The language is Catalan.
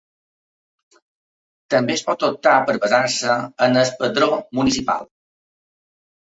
També es pot optar per basar-se en el padró municipal.